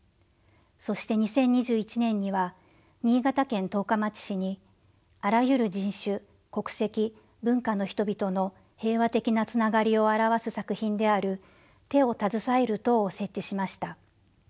そして２０２１年には新潟県十日町市にあらゆる人種国籍文化の人々の平和的なつながりを表す作品である「手をたずさえる塔」を設置しました。